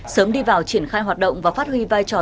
sớm đi vào triển khai hoạt động và phát huy vai trò